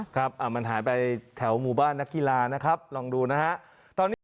ครับมันหายไปแถวหมู่บ้านนักกีฬานะครับลองดูนะฮะตอนนี้